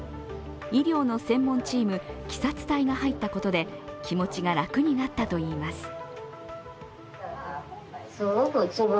医療の専門チームＫＩＳＡ２隊が入ったことで気持ちが楽になったといいます。